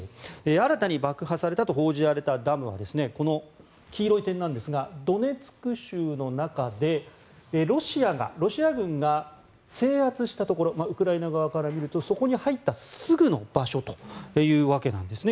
新たに爆破されたと報じられたダムはこの黄色い点なんですがドネツク州の中でロシア軍が制圧したところウクライナ側から見るとそこに入ったすぐの場所というわけなんですね。